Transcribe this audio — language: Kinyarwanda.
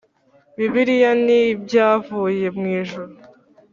Bibiliya n ibyavuye mwijuru